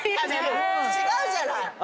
違うじゃない！